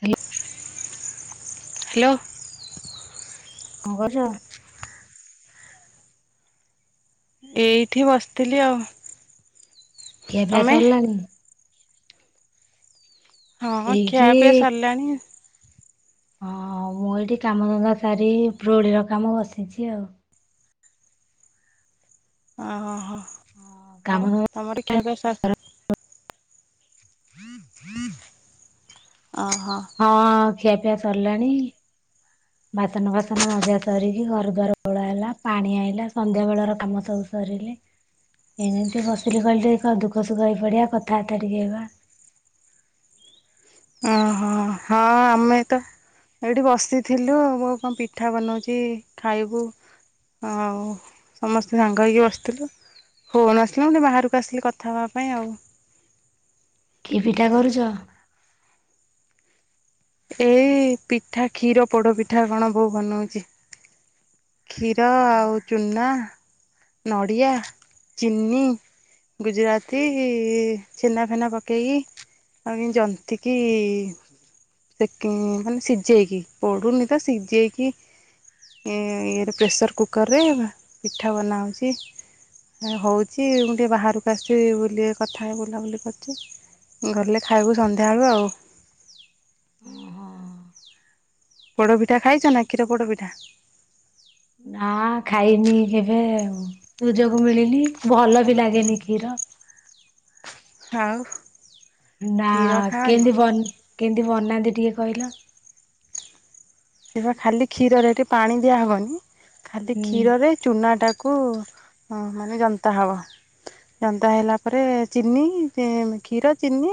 Hello hello କଣ କରୁଚୁ? ଏଇଠି ବସିଥିଲି ଆଉ। ଖିଆ ପିଆ ତମେ? ସରିଲାଣି? ହଁ ଖିଆ ଏଇଠି ପିଆ ସରଲାଣି। ହଁ ମୁଁ ଏଇଠି କାମଧନ୍ଦା ସାରି ଓପରଅଳିର କାମ ବସିଛି ଆଉ। ଓ ହୋ ହୋ। କାମ ଆଉ ହଁ ତୋମର ଖିଆ ପିଆ ସ ଓ ହୋ। ଖିଆ ପିଆ ସରିଲାଣି, ବାସନ ଫାସନ ମଜା ସାରିକି ଘର ଦ୍ୱାର ଓଳା ହେଲା, ପାଣି ଆଇଲା, ସନ୍ଧ୍ୟା ବେଳର କାମ ସବୁ ସରିଲେ, ଏମିତି ବସିଲି କହିଲି ଟିକେ କଣ ଦୁଃଖ ସୁଖ ହେଇପଡିବା କଥାବାର୍ତ୍ତା ଟିକେ ହେବା। ଓହୋ ହଁ ଆମେ ତ ଏଇଠି ବସିଥିଲୁ, ଆଉ ବୋଉ କଣ ପିଠା ବନଉଛି ଖାଇବୁ, ଆଉ ସମସ୍ତେ ସାଙ୍ଗ ହେଇକି ବସିଥିଲୁ, ଫୋନ୍ ଆସିଲା ମୁଁ ଟିକେ ବାହାରକୁ ଆସିଲି କଥା ହବା ପାଇଁ ଆଉ। କି ପିଠା କରୁଚ? ଏଇ ପିଠା କ୍ଷୀର ପୋଡ଼ପିଠା କଣ ବୋଉ ବନଉଚି। କ୍ଷୀର, ଆଉ ଚୂନା ନଡ଼ିଆ, ଚିନି, ଗୁଜୁରାତି, ଛେନାଫେନା ପକେଇକି, ଆଉ ଏମ ଜନ୍ତିକି, ସେ କିଁ ମାନେ ସିଜେଇକି, ପୋଡୁନି ତ ସିଜେଇକି, ଏଁ, ଇଏରେ ପ୍ରେସର୍ କୁକର୍ ରେ, ପିଠା ବନା ହ ଛି, ହେଁ ହଉଚି ମୁଁ, ଟିକେ ବାହାରକୁ ଆସିଚି ବୁଲି କଥା ବୁଲାବୁଲି କରୁଚି, ଗଲେ ଖାଇବୁ ସନ୍ଧ୍ୟାବେଳୁ ଆଉ। ପୋଡ଼ପିଠା ଖାଇଛ, ନା କ୍ଷୀର ପୋଡ଼ ପିଠା? ନା ଖାଇନି, କେବେ ଆଉ ସୁଯୋଗ ମିଳିନି। ଭଲ ବି, ଲାଗେନି କ୍ଷୀର। ହଉ ନା କେମତି ବନ କେମିତି ବନାନ୍ତି? ଟିକିଏ କହିଲ। ସେ ପା ଖାଲି କ୍ଷୀରରେ ଏଠି ପାଣି ଦିଆହେବନି। ଖାଲି ହୁଁ କ୍ଷୀରରେ ଚୁନା ଟା କୁ ଅ, ମାନେ ଯନ୍ତା ହବ, ଜନ୍ତା ହେଲା ପରେ ଚିନି, ଏ- କ୍ଷୀର, ଚିନି,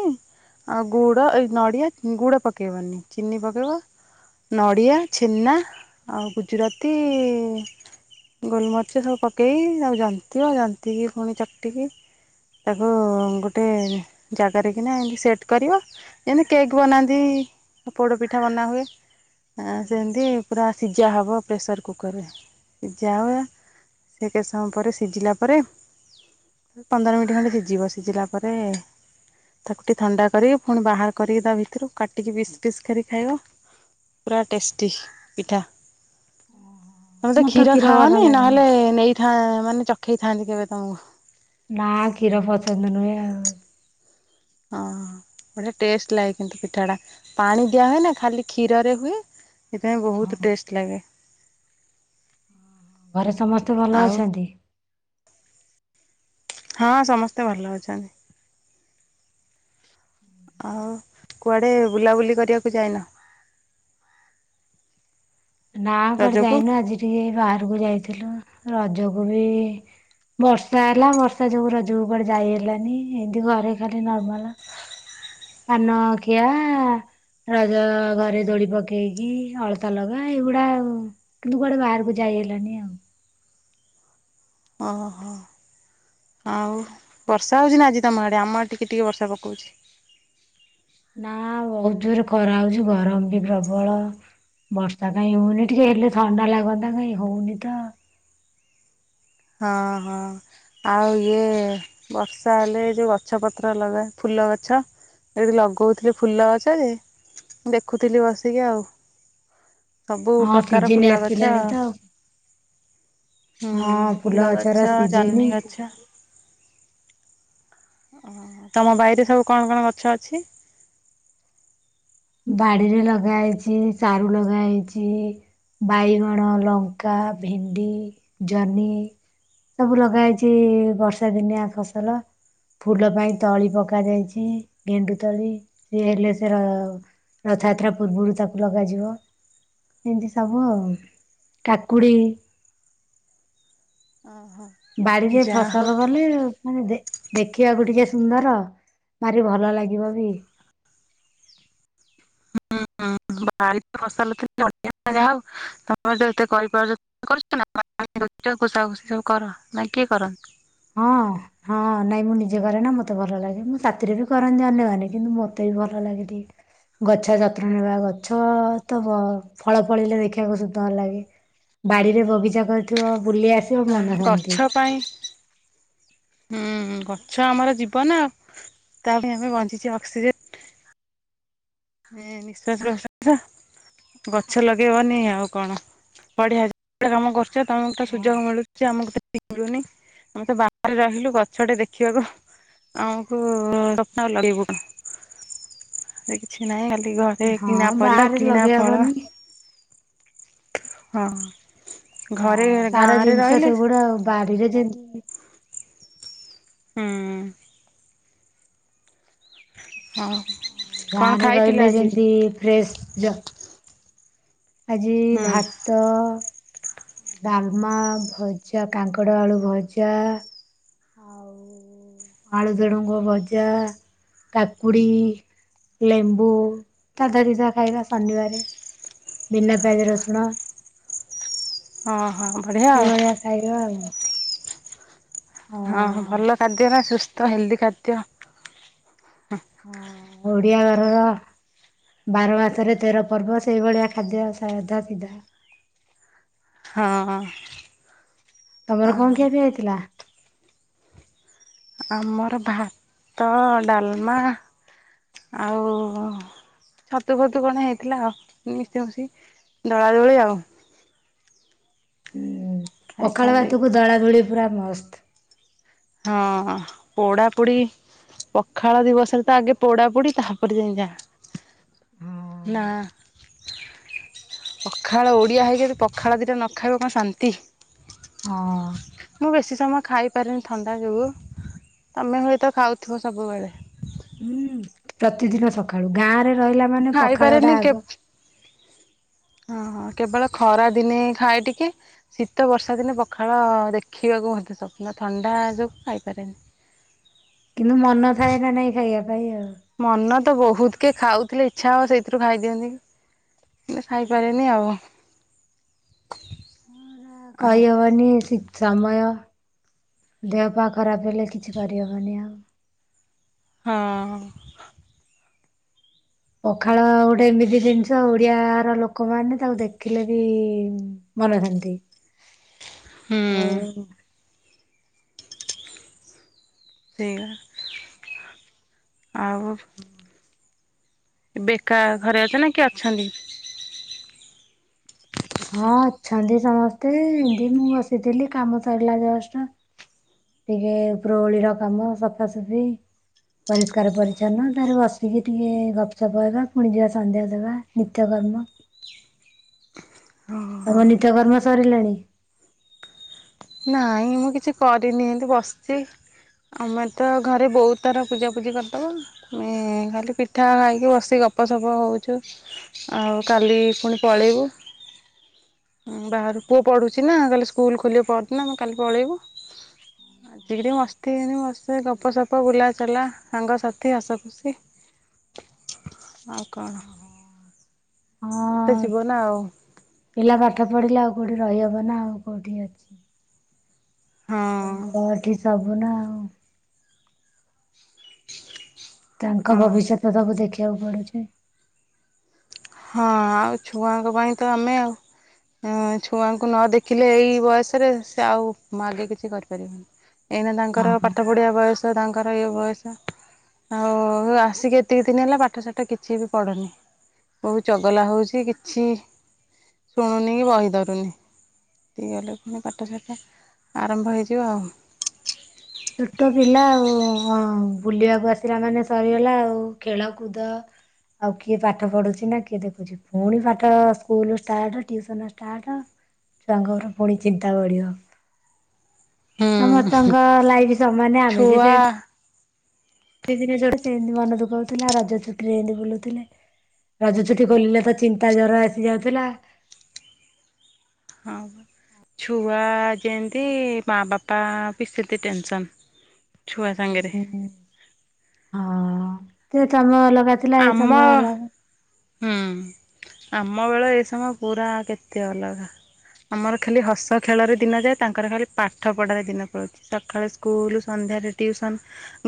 ଆଉ ଗୁଡ଼ ଏ ନଡ଼ିଆ, ଗୁଡ଼ ପକେଇବନି, ଚିନି ପକେଇବ ନଡ଼ିଆ, ଛେନା ଆଉ ଗୁଜୁରାତି, ଗୋଲମରିଚ ସବୁ ପକେଇ ଆଉ ଜନ୍ତିବ, ଜନ୍ତିକି ପୁଣି ଚକଟିକି ତାକୁ ଗୋଟେ ଜାଗାରେ, କିନା ଏମତି ସେଟ୍ କରିବ, ଯେମିତି କେକ୍ ବନାନ୍ତି, ପୋଡ଼ପିଠା ବନାହୁଏ। ଏଁ, ସେମିତି ପୁରା ସିଜା ହବ, ପ୍ରେସର୍ କୁକର୍ ରେ ସିଜା ହବ, ସେ କେତେ ସମୟ ପରେ ସିଜିଲା ପରେ, ପନ୍ଦର ମିନିଟ୍ ଖଣ୍ଡେ ସିଜିବ, ସିଜିଲା ପରେ ତାକୁ ଟିକେ ଥଣ୍ଡା କରିକି ପୁଣି ବାହାର କରିକି ତା ଭିତରୁ କାଟିକି ପିସ୍, ପିସ୍ କରି ଖାଇବ। ପୁରା ଟେଷ୍ଟି ପିଠା। ତୋମେ ତ ମତେ କ୍ଷୀର ଭଲ ଖାଅନି, ଲାଗେନି। ନହେଲେ ନେଇ ଠା ମାନେ ଚଖେଇ ଥାନ୍ତି, କେବେ ତୋମକୁ। ନା କ୍ଷୀର ପସନ୍ଦ ନୁହେଁ, ଆଉ। ହଁ, ହଁ ବଢ଼ିଆ ଟେଷ୍ଟ ଲାଗେ କିନ୍ତୁ ପିଠା ଟା, ପାଣି ଦିଆ ହୁଏ ନା ଖାଲି କ୍ଷୀରରେ ହୁଏ। ସେଥିପାଇଁ, ବହୁତ ଟେଷ୍ଟ ଲାଗେ। ଘରେ ସବୁ ସମସ୍ତେ ଭଲ ଆଉ ଅଛନ୍ତି। ହଁ ସମସ୍ତେ ଭଲ ଅଛନ୍ତି। ଆଉ କୁଆଡେ ବୁଲାବୁଲି କରିବାକୁ ଯାଇନ। ନା କୁଆଡେ ରଜକୁ ଯାଇନୁ ଆଜି ଟିକେ ବାହାରକୁ ଯାଇଥିଲୁ ରଜକୁ ବି ବର୍ଷା ହେଲା, ବର୍ଷା ଯୋଗୁ ରଜକୁ କୁଆଡେ ଯାଇ ହେଲାନି। ଏମିତି ଘରେ ଖାଲି ନର୍ମାଲ। ପାନ ଖିଆ, ରଜ ଘରେ ଦୋଳି ପକେଇକି, ଅଳତା ଲଗା ଏଇଗୁଡା କିନ୍ତୁ କୁଆଡେ ବାହାରକୁ ଯାଇ ହେଲାନି, ଆଉ। ଓହୋ, ଆଉ ବର୍ଷା ହୋଉଛି, ନା ଆଜି ତମ ଆଡ଼େ ଆମ ଆଡ଼େ ଟିକେ, ଟିକେ ବର୍ଷା ପକୋଉଛି। ନା ବହୁତ ଜୋରେ ଖରା ହଉଛି। ଗରମ ବି ପ୍ରବଳ, ବର୍ଷା କାହିଁ ହଉନି ଟିକେ ହେଲେ ଥଣ୍ଡା ଲାଗନ୍ତା। କାଇଁ ହଉନି ତ ହଁ ହଁ ଆଉ ଇଏ ବର୍ଷା ହେଲେ ଯେଉଁ ଗଛ ପତ୍ର ଲଗା ଫୁଲ ଗଛ ଏଠି ଲଗୋଉଥିଲି ଫୁଲ ଗଛ ଯେ ଦେଖୁଥିଲି ବସିକି ଆଉ। ସବୁ ହଁ ପ୍ରକାର ସିଜିନ ଫୁଲ ଗଛ ଆସିଲାଣି ତ ହୁଁ ହଁ ଫୁଲ ଗଛର ଫୁଲାଗଛ, ସିଜିନି ଜହ୍ନି ଗଛ ତମ ବାଇରେ ସବୁ କଣ, କଣ ଗଛ ଅଛି? ବାଡିରେ ଲଗାହେଇଛି, ସାରୁ ଲଗାହେଇଛି, ବାଇଗଣ, ଲଙ୍କା, ଭେଣ୍ଡି, ଜହ୍ନି ସବୁ ଲଗାହେଇଛି, ବର୍ଷା ଦିନିଆ ଫସଲ ଫୁଲ ପାଇଁ ତଳି ପକାଯାଇଛି ଗେଣ୍ଡୁ ତଳି ସିଏ ହେଲେ ସେ ର ରଥଯାତ୍ରା ପୂର୍ବରୁ ତାକୁ ଲଗାଯିବ। ଏମିତି ସବୁ ଆଉ କାକୁଡି ବାଡିରେ ଯାହା ଫସଲ ଗଲେ ମାନେ ଦେ ଦେଖିବାକୁ ଟିକେ ସୁନ୍ଦର ଭାରି ଭଲ ଲାଗିବ ବି। ହୁଁଁ ବାରି ଫସଲ କେତେ [unintelligible] ଯାହା ହଉ ତେତେ କରିପାରୁଛ [unintelligible] ଖୁସା ଖୁସି ସବୁ କର ନାାଇଁ କିଏ କରନ୍ତି? ହଁ, ହଁ, ନାଇଁ ମୁଁ ନିଜେ କରେ ନା, ମତେ ଭଲ ଲାଗେ, ମୁଁ ସାଥିରେ ବି କରନ୍ତି, ଅନ୍ୟମାନେ କିନ୍ତୁ ମତେ ବି ଭଲ ଲାଗେ, ଟିକେ ଗଛ ଯତ୍ନ ନେବା ଗଛ ତ ଫଳ ଫଳିଲେ ଦେଖିବାକୁ ସୁନ୍ଦର ଲାଗେ, ବାଡିରେ ବଗିଚା କରିଥିବ। ବୁଲି ଆସିବ ଗଛ ମନସାନ୍ତି। ପାଇଁ ହୁଁ ଗଛ ଆମର ଯିବ ନା ଆଉ ତା ପାଇଁ ଆମେ ବଞ୍ଚିଛ ଅକ୍ସିଜେନ ନିଶ୍ୱାସ ପ୍ରଶ୍ୱାସ ଗଛ ଲଗେଇବନି ଆଉ କଣ ବଡିଆ ଯେେ କାମ କରୁଛ ତମକୁ ତ ସୁଯୋଗ ମିଳୁଛି ଆମକୁ ମିଳୁନି ଆମେ ତେ ବାହାରେ ରହିଲୁ ଗଛଟେ ଦେଖିବାକୁ ଆମକୁ ଲଗେଇବୁ କଣ? ସେଇଆ ହିଁ ଲାଗୁ ଘରେ ହଁ କିଣା ପରିବା ବାହାରେ କିଣା ଫଳ ଲଗେଇହବନି। ହଁ ଘରେ ହଁ ସାର ଗାଁରେ ଜିନିଷ ରହିଲେ ସେଗୁଡା ଆ ବାହାରିରେ ଯେମତି ହୁଁ ହଁ କଣ ଗାଁରେ ଖାଇଥିଲା ରହିଲେ ଆଜି ଯେମତି ଫ୍ରେଶ ଜ୍ ଆଜି ହୁଁ ଭାତ ଡାଲମା, ଭଜା, କାଙ୍କଡ ଆଳୁ ଭଜା, ଆଉ ଆଳୁ ଜଣୁଙ୍ଗ ଭଜା, କାକୁଡି, ଲେମ୍ବୁ, ତାଧ ଦ ତା ଖାଇବା ଶନିବାରେ ବିନା ପିଆଜ ରସୁଣ। ହଁ ହଁ ବଢିଆ ଆଉ। ଏଇଭଳିଆ ଖାଇବା ଆଉ ହଁ ଭଲ ଖାଦ୍ୟ ନା ସୁସ୍ଥ ହେଲଦି ଖାଦ୍ୟ ହଁ ଓଡିଆ ଘରର ବାର ମାସରେ ତେର ପର୍ବ ସେଇଭଳିଆ ଖାଦ୍ୟ ସାଧା ସିଧା ହଁ ତମର କଣ ଆଉ କିିଆ ବିି ହେଇଥିଲା। ଆମର ଭାତ, ଡାଲମା, ଆଉ ଛତୁ ଫତୁ କଣ ହେଇଥିଲା ଆଉ ମିଶମସି ଦୋଳା ଦୁଳି ଆଉ। ଖାଇ ଖାଇ ପଖାଳଳ ଦେଇ ଭାତକୁ ଦଳା ଗୁଳି ପୁରା ମସ୍ତ। ହଁ ପୋଡା ପୋଡି ପଖାଳ ଦିବସରେ ତ ଆଗେ ପୋଡା ପୋଡି ତାପରେ ଯାଇ ଯା। ହଁ ନା। [inaudible] ପଖାଳ ଓଡ଼ିଆ ହେଇକି ଯ ପଖାଳ ଦୁଇଟା ନ ଖାଇବ କଣ ଶାନ୍ତି। ହଁ [inaudible] ମୁଁ ବେଶୀ ସମୟ ଖାଇ [unintelligible] ଥଣ୍ଡା ଯିବୁ ତମେ ହୁଏତ ଖାଉଥିବ ସବୁବେଳେ। ହୁଁ ପ୍ରତିଦିନ ସକାଳୁ ଗାଁରେ ରହିଲା ମୁଁ ମାନେ ପଖାଳ ଖାଇପାରେନି ଟା ଆଗ। କେ [inaudible] ହଁ ହଁ କେବଳ ଖରା ଦିନେ ଖାଏ ଟିକେ ଶୀତ ବର୍ଷା ଦିନେ ପଖାଳ ଦେଖିବାକୁ ମଧ୍ୟ ସ୍ୱପ୍ନ ଥଣ୍ଡା ଯୋଗୁଁ ଖାଇପାରେନି। କିନ୍ତୁ ମନ ଥାଏ ନା ମନ [unintelligible] ତ ବୋହୁତ କେ ଖାଉଥିଲେ ଇଚ୍ଛା ହବ ସେଇଥିରୁ ଖାଇଦିଅନ୍ତି, କି ଖାଇପାରେନି ଆଉ। ଆ ଆଉ କାଇ ହେବନି ସି ସମୟ ଦେହ ପା ଖରାପ ହେଲେ କିଛି କରିହେବନି ଆଉ। ହଁ। ପଖାଳ ଗୋଟେ ଏମିତି ଜିନିଷ ଓଡିଆ ର ଲୋକମାନୋନ ତାକୁ ଦେଖିଲେ ବି ମନଶାନ୍ତି। ହୁଁ। ଆଉ। ସେଇଆ ଆଉ ବେକା ଘରେ ଅଛ ନା କି ଅଛନ୍ତି? ହଁ ଅଛନ୍ତି ସମସ୍ତେ ଏମତି ମୁଁ ବସିଥିଲି କାମ ସରିଲା ଜଷ୍ଟ। ଟିକେ ଉପର ବୋଳିକାମ ସଫାସଫି ପରିଷ୍କାର ପରିଚ୍ଛନ୍ନ ତାର ବସିକି ଟିକେ ଗପସପ ହେବା ପୁଣି ଯିବା ସନ୍ଧ୍ୟାଦେବା ନିତ୍ୟକର୍ମ ତମ ନିତ୍ୟକର୍ମ ସରିଲେଣି [inaudible] ନାଇଁ ମୁଁ କିଛି କରିନି ଏମିତି ବସିଚି ଆମେ ତ ଘରେ ବୋଉ ତାର ପୂଜାପୂଜି କରିଦେବ ଖାଲି ପିଠା ଖାଇକି ବସିିକି ଗପସପ ହୋଉଚୁ ଆଉ କାଲି ପୁଣି ପଳେଇବୁ ବାହାରୁ ପୁଅ ପଢ଼ୁଚି ନା କାଲି ସ୍କୁଲ ଖୋଲିବାେ ପଦନା ଆମେ କାଲି ପଳେଇବୁ ଆଜିକରି ମସ୍ତି ହେଇନି ବସ୍ତେ ଗପସପ ବୁଲାଚଲା ସାଙ୍ଗସାଥି ହସ ଖୁସି ଆଉ କଣ ଏଇତ ଯ ହଁ ହିବ ନା ଆଉ ପିଲା ପାଠ ପଢିଲେ ଆଉ କୋଉଠି ରହିହବ ନା ଆଉ କୋଉଠି ଅଛି। [inaudible] ହଁ ଛୁଆଙ୍କ ଏଠି ସ ବନାଓ ତାଙ୍କ ଆଉ ଭବିଷ୍ୟତ ସବୁ ଦେଖି ଦେଖିବାକୁ ପଡୁଚି [inaudible] ହଁ ଆଉ ଛୁଆଙ୍କ ପାଇଁ ତ ଆମେ ଆଉ ଛୁଆଙ୍କୁ ନ ଦେଖିଲେ ଏଇ ବୟସରେ ସେ ଆଉ ଆଗେ କିଛି କରିପାରିବନି। ଏଇନା ତାଙ୍କର ହଁ। ପାଠ ପଢଆ ବୟସ। ତାଙ୍କର ଇଏ ବୟସ ଆଉ ଆସିକି ଏତିକି ଦିନ ହେଲା ପାଠ ସାଠ କିଛି ବି ପଢ଼ୁନି। ବୋହୁ ଚଗଲା ହୋଉଚି କିଛି ଶୁଣୁନି କି ବହି ଧରୁନି ତି ଗଲେ ପୁଣି ପାଠ ସାଠ ଆରମ୍ଭ ହେଇଯିବ ଆଉ। ଛୋଟ ପିଲା ଆଉ ବୁଲିବାକୁ ଆସିଲା ମାନେ ସରିଗଲା ଆଉ ଖେଳ କୁଦ ଆଉ କିଏ ପାଠ ପଢୁଛି ନା କିଏ ଦେଖୁଛି ପୁଣି ପାଠ ସ୍କୁଲ ଷ୍ଟାର୍ଟ ଟିଉସନ ଷ୍ଟାଟ ଛୁଆଙ୍କର ପୁଣି ଚିନ୍ତା ବଢ଼ିବ। ହୁଁ। ସମସ୍ତଙ୍କ ଲାଇ ଇ ସ ମାନେ ଆମେ ବି ଛୁଆ ସେଇ ଦି ଦିନେ ଚଡ଼ି ସେନ୍ତି ମନ ଦୁଃଖ ହୋଉଥୁଲା ରଜଛୁଟିରେ ଏନ୍ତି ବୁଲୁଥୁଲେ। ରଜଛୁଟି ଖୋଲିଲେ ତ ଚିନ୍ତା ଜର ଆସି ଯାଉଥୁଲା। ହଁ ପା ଛୁଆ ଯେମତି ମା ବାପା ବି ସେତେ ଟେନସନ୍। ଛୁଆ ସାଙ୍ଗରେ। ହୁଁ ହଁ। ଏତେ ତମେ ଅଲ ଉଆ ଥିଲା ଏଇ ଆମ ସମୟ ଅଲଗା ହୁଁ ଆମ ବେଳ ଏ ସମୟ ପୁରା କେତେ ଅଲଗା। ଆମର ଖାଲି ହସ ଖେଳରେ ଦିନ ଯାଏ ତାଙ୍କର ଖାଲି ପାଠ ପଢ଼ାରେ ଦିନ ପଳଉଚି ସଖାଳେ ସ୍କୁଲ ସନ୍ଧ୍ୟାରେ ଟିଉସନ୍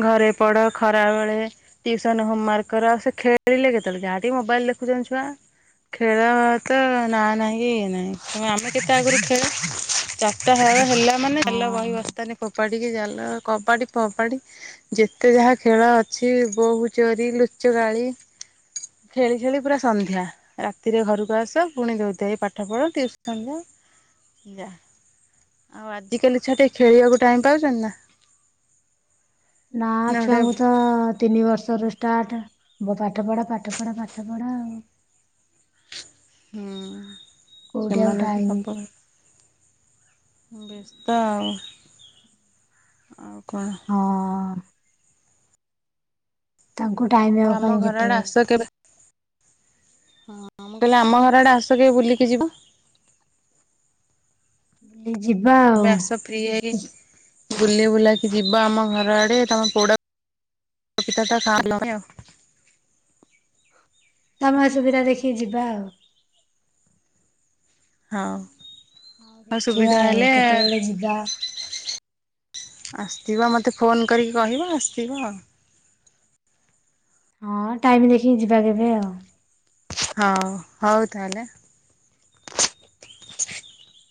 ଘରେ ପଢ଼ ଖରାବେଳେ ଟିଉସନ୍ ହୋମୱାର୍କ କର ସେ ଖେଳିଲେ କେତୋଳେ ଯାହା ଟି ମୋବାଇଲ ଦେଖୁଚନି ଛୁଆ ଖେଳ ତ ନାଁ ନାହିଁ କି ଇଏ ନାହିଁ ତମେ ଆମେ କେତେ ଆଗୁରୁ ଖେଳେ ଚାରଟା ହେଳେ ହେଲା ମାନେ ଚାଲ ବହି ହଁ। ବସ୍ତାନି କୋ ପାଡ଼ିିକି ଜାଲ କବାଡ଼ି ଫବାଡ଼ି ଯେତେ ଯାହା ଖେଳ ଅଛି ବୋହୁ ଚୋରି ଲୁଚକାଳି ଖେଳି ଖେଳି ପୁରା ସନ୍ଧ୍ୟା ରାତିରେ ଘରୁକୁ ଆସ ପୁଣି ଧୋଇ ଧୁଆକି ପାଠ ପଢ ଟିଉସନ ଯାଅ ଯା। ଆଉ ଆଜିକାଲି ଛୁଆ ଟିକେ ଖେଳିବାକୁ ଟାଇମ୍ ପାଉଚନ୍ତି ନାଁ? ନାଁ ଛୁଆଙ୍କୁ ତ ତିନି ବର୍ଷରୁ ଷ୍ଟାର୍ଟ ବୋ ପାଠ ପଢ ପାଠ ପଢ ପାଠ ପଢ ଆଉ। ହୁଁ। କୋଉଠି ଆଉ ସେମାନେ ଟାଇମି। ବେସ୍ତ ଆଉ ଆଉ କଣ? ହଁ ତାଙ୍କୁ ଟାଇମ ଆଉ କାଇଁ କେତେବେଳେ? ହଁ ମୁଁ କହିଲି ଆମ ଘର ଆଡ଼େ ଆସ କେବେ ବୁଲିକି ଯିବ। ଉଁ ବି ଯିବା ଆଉ ଏବେ ଆସ ଫ୍ରି ହେଇକି ଉଁ ବୁଲି ବୁଲାକି ଯିବ ଆମ ଘର ଆଡ଼େ ତମ ପୋଡ଼ ପ ପିଠା ତ ଖାଁ ଲମେ ଆଉ ସମୟ ସୁବିଧା ଦେଖିକି ଯିବା ଆଉ। ହଁ। ହଁ ଦେଖିବା ଆଉ କେତେବେଳେ ଯିବା। ଆସିଥିବ ମତେ ଫୋନ୍ କରିକି କହିବ ଆସିଥିବ ଆଉ। ହଁ ଟାଇମ ଦେଖିକି ଯିବା କେବେ ଆଉ। ହଁ ହଉ ତାହଲେ। [inaudible]